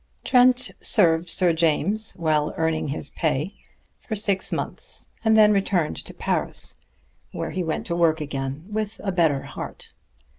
Trent served Sir James, well earning his pay, for six months, and then returned to Paris, where he went to work again with a better heart.